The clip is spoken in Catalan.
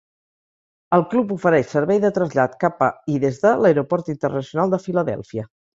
El club ofereix servei de trasllat cap a i des de l'aeroport internacional de Filadèlfia.